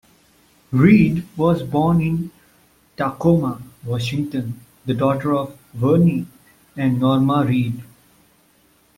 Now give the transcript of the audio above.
Reed was born in Tacoma, Washington, the daughter of Vernie and Norma Reed.